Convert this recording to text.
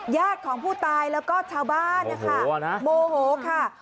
ญาติของผู้ตายแล้วก็ชาวบ้านนะคะโมโหค่ะ